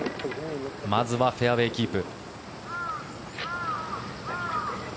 まずはフェアウェーキープ。